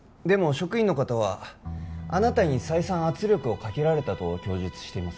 職員の方はあなたに再三圧力をかけられたと供述しています